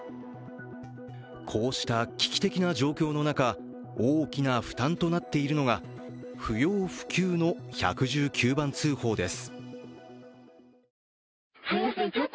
こうした危機的な状況の中、大きな負担となっているのが不要不急の１１９番通報です。